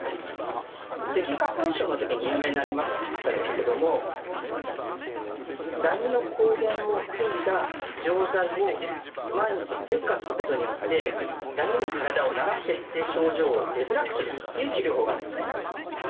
スギ花粉症の時に有名になったんですけどもダニの抗原を含んだ錠剤を毎日舌下することによってダニに体を慣らしていって症状を出づらくするという治療法があるんですね。